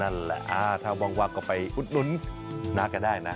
นั่นแหละถ้าว่างก็ไปอุดหนุนน้าก็ได้นะ